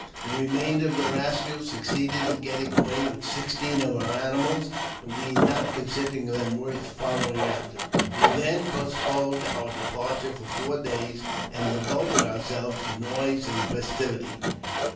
The remainder of the rascals succeeded in getting away with sixteen of our animals, we not considering them worth following after. We then postponed our departure four days, and devoted ourselves to noise and festivity.